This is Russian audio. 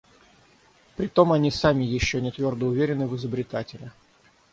Притом они сами еще не твердо уверены в изобретателе.